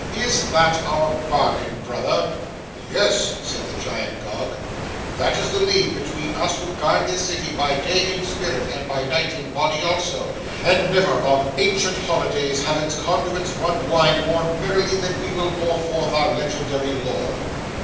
Is that our bargain, brother?' 'Yes,' said the Giant Gog, 'that is the league between us who guard this city, by day in spirit, and by night in body also; and never on ancient holidays have its conduits run wine more merrily than we will pour forth our legendary lore.